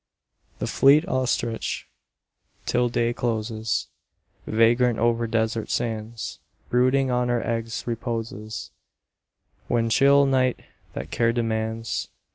20 The fleet Ostrich, till day closes, Vagrant over desert sands, Brooding on her eggs reposes When chill night that care demands.